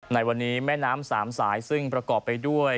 ในวันนี้แม่น้ำสามสายซึ่งประกอบไปด้วย